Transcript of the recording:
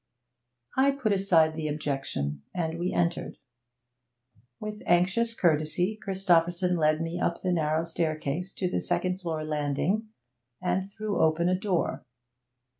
I put aside the objection, and we entered. With anxious courtesy Christopherson led me up the narrow staircase to the second floor landing, and threw open a door.